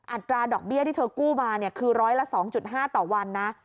อัตราดอกเบี้ยที่เธอกู้มาคือร้อยละ๒๕ต่อวันนะ